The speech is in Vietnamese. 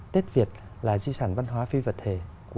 tết việt là di sản văn hóa phi vật thể